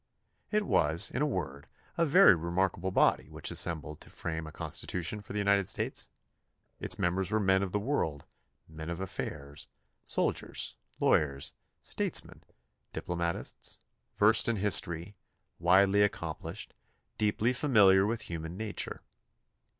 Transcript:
It was, in a word, a very remarkable body which assembled to frame a constitution for the United States. Its mem bers were men of the world, men of affairs, soldiers, lawyers, statesmen, diplomatists, versed in history, widely accomplished, deeply familiar with human nature.